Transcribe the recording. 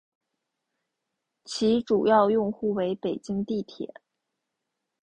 其主要用户为北京地铁。